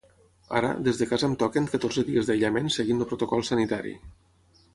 Ara, des de casa em toquen catorze dies d'aïllament seguint el protocol sanitari.